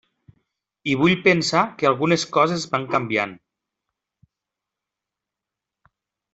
I vull pensar que algunes coses van canviant.